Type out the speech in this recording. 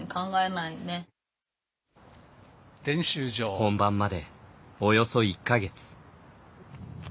本番まで、およそ１か月。